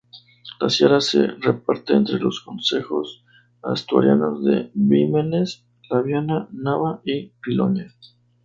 La sierra se reparte entre los concejos asturianos de Bimenes, Laviana, Nava y Piloña.